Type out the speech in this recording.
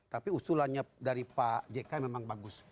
tapi usulannya dari pak jk memang bagus